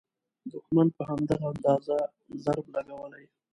دوښمن په همدغه اندازه ضرب لګولی.